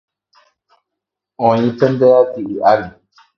Oĩ pende ati'y ári